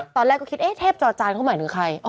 ตอนแรกก็คิดเอ๊ะเทพจอจานเขาหมายถึงใคร